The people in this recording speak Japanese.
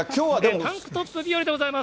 タンクトップ日和でございます。